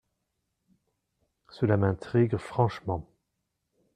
Cela m’intrigue franchement !